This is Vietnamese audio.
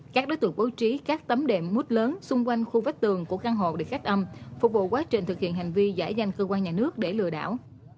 các đối tượng bố trí các tấm đệm mút lớn xung quanh khu vách tường của căn hộ để khách âm phục vụ quá trình thực hiện hành vi giải danh cơ quan nhà nước để lừa đảo